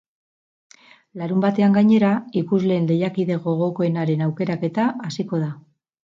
Larunbatean, gainera, ikusleen lehiakide gogokoenaren aukeraketa hasiko da.